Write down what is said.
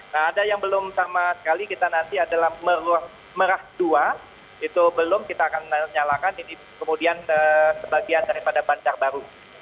nah ada yang belum sama sekali kita nanti adalah merah dua itu belum kita akan menyalakan ini kemudian sebagian daripada banjar baru